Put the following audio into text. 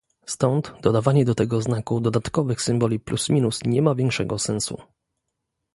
Stąd dodawanie do tego znaku dodatkowych symboli plus minus nie ma większego sensu